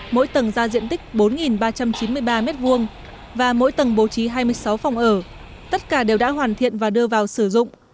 mỗi tầng ra diện tích bốn ba trăm chín mươi ba m hai và mỗi tầng bố trí hai mươi sáu phòng ở tất cả đều đã hoàn thiện và đưa vào sử dụng